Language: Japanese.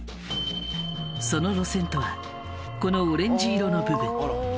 その路線とはこのオレンジ色の部分。